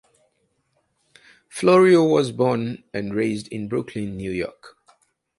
Florio was born and raised in Brooklyn, New York.